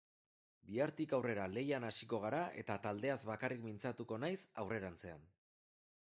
Bihartik aurrera lehian hasiko gara eta taldeaz bakarrik mintzatuko naiz aurrerantzean.